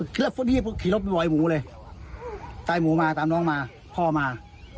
คลิปฟุ้นขี่รถไปบ่อยหมูเลยตายหมูมาตามน้องมาพ่อมา